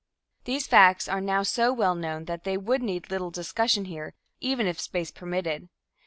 These facts are now so well known that they would need little discussion here, even if space permitted.